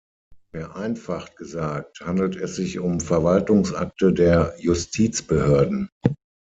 Vereinfacht gesagt handelt es sich um Verwaltungsakte der Justizbehörden.